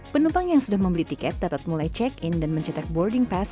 penumpang yang sudah membeli tiket dapat mulai check in dan mencetak boarding pass